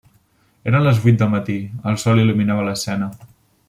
Eren les vuit del matí, el sol il·luminava l'escena.